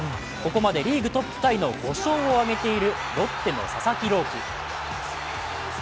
ここまでリーグトップタイの５勝を挙げているロッテの佐々木朗希。